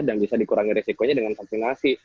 dan bisa dikurangi risikonya dengan vaksinasi